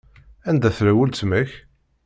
Anda tella weltma-k?